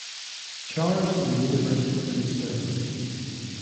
Charge in the universe is conserved.